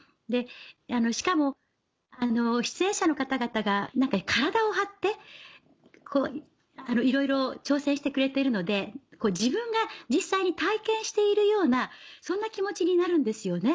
しかも出演者の方々が体を張っていろいろ挑戦してくれてるので自分が実際に体験しているようなそんな気持ちになるんですよね。